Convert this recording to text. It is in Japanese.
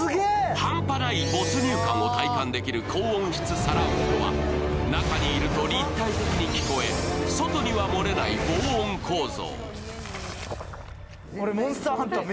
半端ない没入感を体感できる高音質サラウンドは中にいると立体的に聞こえ、外には漏れない防音構造。